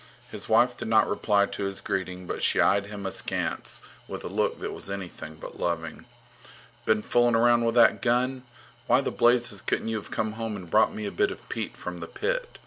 His wife did not reply to his greeting, but she eyed him askance with a look that was anything but loving. Been fooling around with that gun! Why the blazes couldn't you have come home and brought me a bit of peat from the pit?